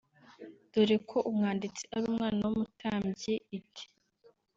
dore ko umwanditsi ari umwana w’umutambyi iti